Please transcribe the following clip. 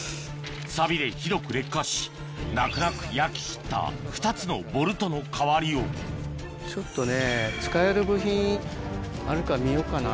さびでひどく劣化し泣く泣く焼き切った２つのボルトの代わりをちょっとね使える部品あるか見ようかな。